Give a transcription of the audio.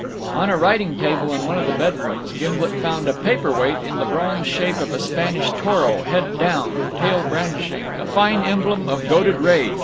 On a writing table in one of the bedrooms, Gimblet found a paper weight in the bronze shape of a Spanish toro, head down, tail brandishing, a fine emblem of goaded rage.